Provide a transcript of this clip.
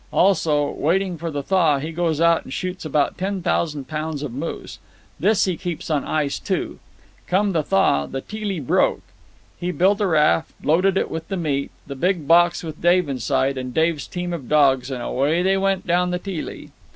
Also, waiting for the thaw, he goes out and shoots about ten thousand pounds of moose. This he keeps on ice, too. Came the thaw. The Teelee broke. He built a raft and loaded it with the meat, the big box with Dave inside, and Dave's team of dogs, and away they went down the Teelee.